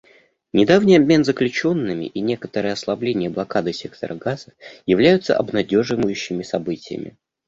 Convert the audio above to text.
Недавний обмен заключенными и некоторое ослабление блокады сектора Газа являются обнадеживающими событиями.